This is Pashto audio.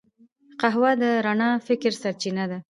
قهوه د رڼا فکر سرچینه ده